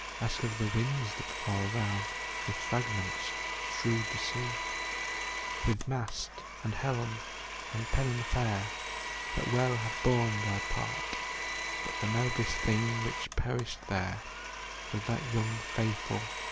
Ask of the winds, that far around With fragments strewed the sea; With shroud, and mast, and pennon fair, That well had borne their part, But the noblest thing that perished there Was that young, faith